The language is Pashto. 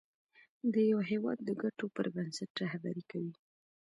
د یو هېواد د ګټو پر بنسټ رهبري کوي.